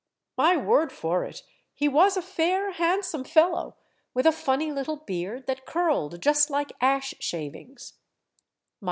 My word for it, he was a fair, handsome fel low, with a funny little beard, that curled just like ash shavings.